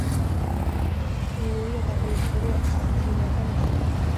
Pinudietako lurzoru azidoetan bizi da.